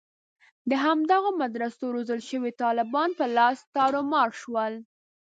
د همدغو مدرسو روزل شویو طالبانو په لاس تارومار شول.